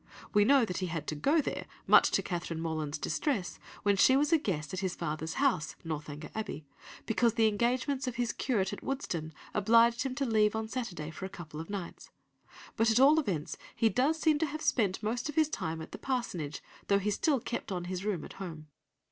We know that he had to go there, much to Catherine Morland's distress, when she was a guest at his father's house, Northanger Abbey, because the engagements of his curate at Woodston obliged him to leave on Saturday for a couple of nights. But at all events he does seem to have spent most of his time at the parsonage, though he still kept on his room at home.